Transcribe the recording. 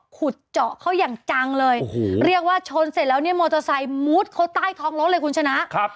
ขุดเจาะเขาอย่างจังเลยโอ้โหเรียกว่าชนเสร็จแล้วเนี่ยมอเตอร์ไซค์มุดเขาใต้ท้องรถเลยคุณชนะ